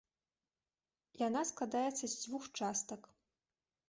Яна складаецца з дзвюх частак.